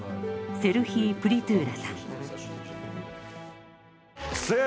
セルヒー・プリトゥーラ！